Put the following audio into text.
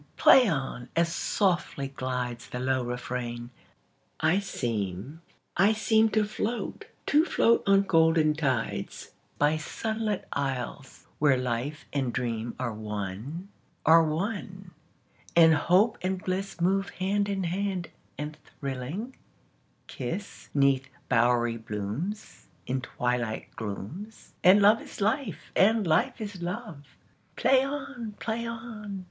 Play on! As softly glidesThe low refrain, I seem, I seemTo float, to float on golden tides, By sunlit isles, where life and dreamAre one, are one; and hope and blissMove hand in hand, and thrilling, kiss'Neath bowery blooms, In twilight glooms, And love is life, and life is love. Play on! Play on!